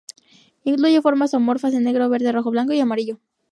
Incluye formas zoomorfas en negro, verde, rojo, blanco y amarillo.